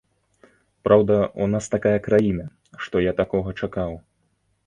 Праўда, у нас такая краіна, што я такога чакаў.